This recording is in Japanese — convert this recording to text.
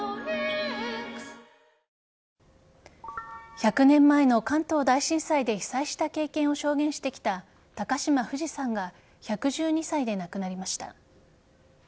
１００年前の関東大震災で被災した経験を証言してきた高嶋フジさんが１１２歳で亡くなりました。